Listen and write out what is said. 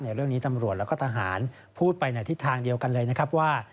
เรื่องนี้ตำรวจแล้วก็ทหารพูดไปในทิศทางเดียวกันเลยนะครับว่า